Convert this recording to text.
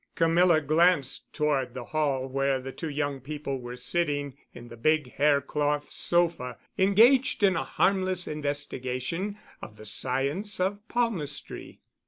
Camilla glanced toward the hall where the two young people were sitting in the big haircloth sofa engaged in a harmless investigation of the science of palmistry.